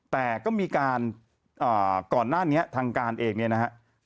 แต่ก็มีการก่อนหน้านี้ทางการเองเนี่ยนะฮะ